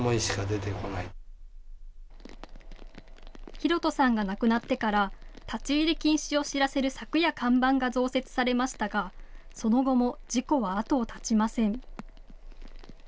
大斗さんが亡くなってから立ち入り禁止を知らせる柵や看板が増設されましたがその後も事故は後を絶ちません。